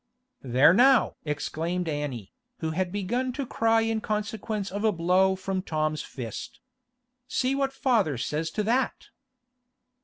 'There now!' exclaimed Annie, who had begun to cry in consequence of a blow from Tom's fist. 'See what father says to that!